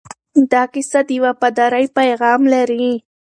دا کیسه د وفادارۍ پیغام لري.